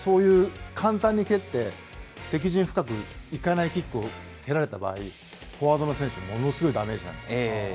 そういう、簡単に蹴って、敵陣深く行かないキックを蹴られた場合、フォワードの選手にものすごいダメージなんです。